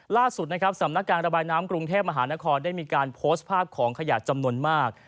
ล่าสุดนะครับสำนักการระบายน้ำกรุงเทพมหานครได้มีการโพสต์ภาพของขยะจำนวนมาก